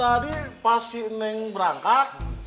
tadi pas si neng berangkat